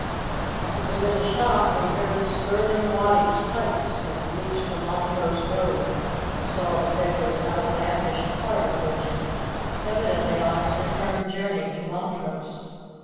It was with a shock that he heard Skirling Wattie's pipes as he reached the Montrose road, and saw the beggar's outlandish cart approaching, evidently on its return journey to Montrose.